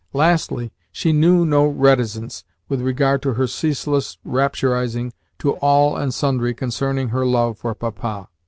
Lastly, she knew no reticence with regard to her ceaseless rapturising to all and sundry concerning her love for Papa.